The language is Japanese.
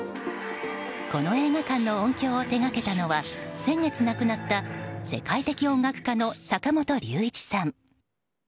この映画館の音響を手掛けたのは先月亡くなった世界的音楽家の坂本龍一さん。